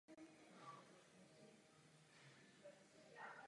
Chráněné území je ve správě Krajského úřadu Karlovarského kraje.